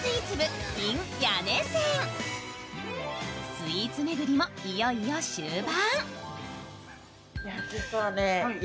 スイーツ巡りもいよいよ終盤。